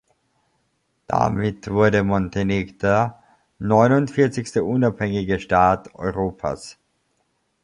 Damit wurde Montenegder neunundvierzigste unabhängige Staat Europas.